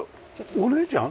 お姉ちゃん？